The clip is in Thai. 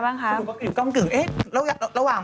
บอกว่าไงบ้าง